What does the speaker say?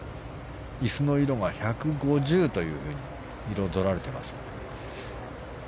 椅子の色が１５０というふうに彩られていますが。